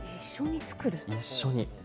一緒に。